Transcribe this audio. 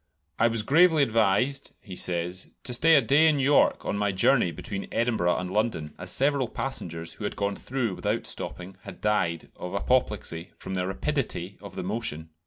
"I was gravely advised," he says, "to stay a day in York on my journey between Edinburgh and London, as several passengers who had gone through without stopping had died of apoplexy from the rapidity of the motion."